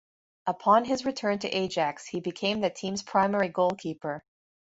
Upon his return to Ajax, he became the team's primary goalkeeper.